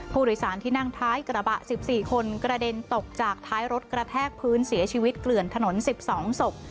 ผู้โดยสารที่นั่งท้ายกระบะ๑๔คนกระเด็นตกจากท้ายรถกระแทกพื้นเสียชีวิตเกลื่อนถนน๑๒ศพ